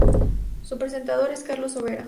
Su presentador es Carlos Sobera.